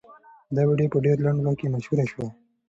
دا ویډیو په ډېر لنډ وخت کې مشهوره شوه.